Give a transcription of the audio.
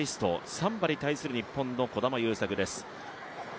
サンバに対する日本の児玉勇作です。